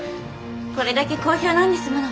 これだけ好評なんですもの。